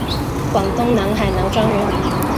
广东南海南庄人。